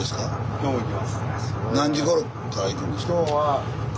今日も行きます。